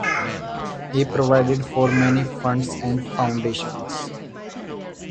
He provided for many funds and foundations.